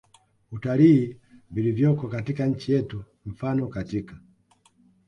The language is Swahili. utalii vilivyoko katika nchi yetu Mfano katika